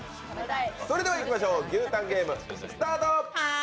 それではいきましょう、牛タンゲーム、スタート。